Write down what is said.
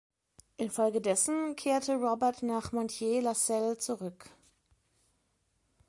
Infolgedessen kehrte Robert nach Montier-la-Celle zurück.